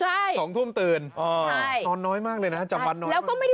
หอไปทักลูกน้าพอดี